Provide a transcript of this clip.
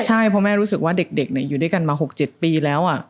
ใช่เพราะแม่รู้สึกว่าเด็กอยู่ด้วยกันมา๖๗ปีแล้ว